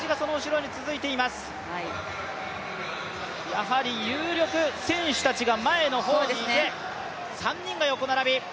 やはり有力選手たちが前の方にいて３人が横並び。